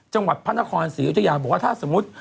จังหวัดพระนครศรีอืดยาบุตรถ้าสมมุทร